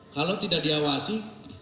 kalau tidak diawasi